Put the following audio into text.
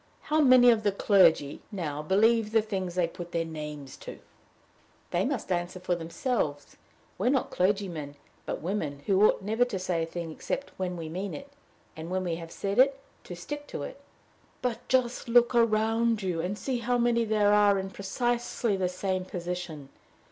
How many of the clergy, now, believe the things they put their names to?" "They must answer for themselves. We are not clergymen, but women, who ought never to say a thing except we mean it, and, when we have said it, to stick to it." "But just look around you, and see how many there are in precisely the same position!